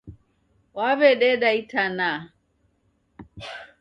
Waw'ededa itana